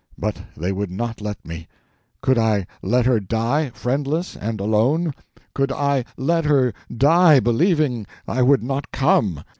But they would not let me. Could I let her die, friendless and alone? Could I let her die believing I would not come?